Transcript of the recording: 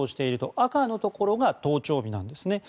赤のところが登庁日なんですね。